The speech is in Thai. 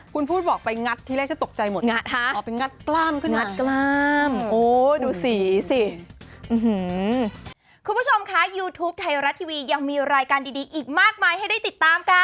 คุณพูดบอกไปงัดที่แรกจะตกใจหมดงัดฮะอ๋อไปงัดกล้ามขึ้นอ่ะงัดกล้าม